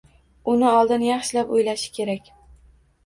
Uni oldin yaxshilab o‘ylashi kerak.